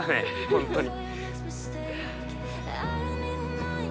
本当に。